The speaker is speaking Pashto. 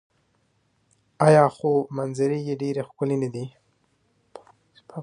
آیا خو منظرې یې ډیرې ښکلې نه دي؟